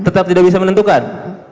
tetap tidak bisa menentukan